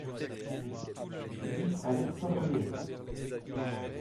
huit allée Paul Rué